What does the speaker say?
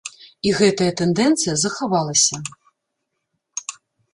І гэтая тэндэнцыя захавалася.